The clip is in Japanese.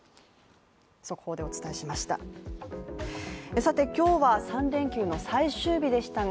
速報でお伝えしましたね